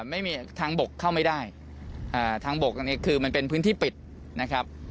ไม่มีทางบกเข้าไม่ได้ทางบกตรงนี้คือมันเป็นพื้นที่ปิดนะครับ